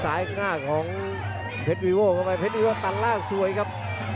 ซ้ายข้างหน้าของเพชรวีโวะทำไมเพชรวีโวะตันล่างสวยครับ